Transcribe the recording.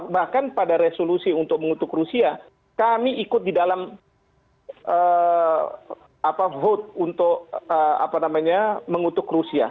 bahkan pada resolusi untuk mengutuk rusia kami ikut di dalam vote untuk mengutuk rusia